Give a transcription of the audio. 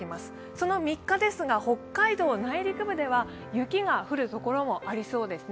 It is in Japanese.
その３日ですが、北海道は内陸部では雪が降るところもありそうですね。